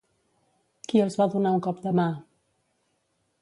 Qui els va donar un cop de mà?